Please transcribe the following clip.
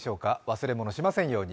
忘れ物しませんように。